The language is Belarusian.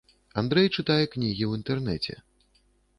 Андрэй чытае кнігі ў інтэрнэце.